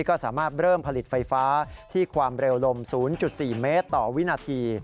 ก็สามารถเริ่มผลิตไฟฟ้าที่ความเร็วลม๐๔เมตรต่อวินาที